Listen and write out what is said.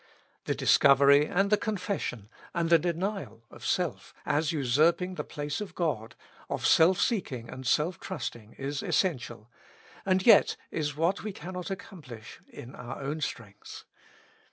The discovery, and the confes sion, and the denial, of self, as usurping the place of God, of self seeking and self trusting, is essential, and yet is what we cannot accomplish in our own strength.